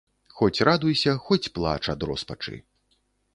Хоць радуйся, хоць плач ад роспачы.